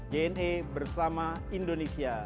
jna bersama indonesia